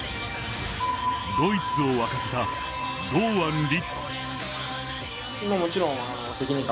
ドイツを沸かせた堂安律。